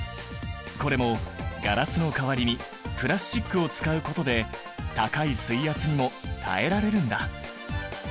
これもガラスの代わりにプラスチックを使うことで高い水圧にも耐えられるんだ。